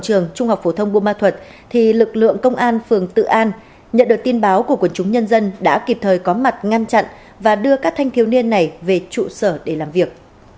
trường trung học phổ thông buôn ma thuật thì lực lượng công an phường tự an nhận được tin báo của quần chúng nhân dân đã kịp thời có mặt ngăn chặn và đưa các thanh thiếu niên này về trụ sở để làm việc